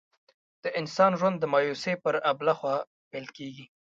د انسان ژوند د مایوسۍ پر آبله خوا پیل کېږي.